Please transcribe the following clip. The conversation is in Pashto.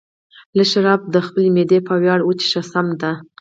لږ شراب د خپلې معدې په ویاړ وڅښه، سمه ده.